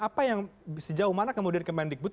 apa yang sejauh mana kemudian kemendikbud